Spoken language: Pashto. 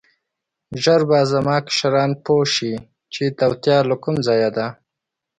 ژر به زما کشران پوه شي چې توطیه له کوم ځایه ده.